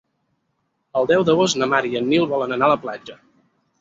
El deu d'agost na Mar i en Nil volen anar a la platja.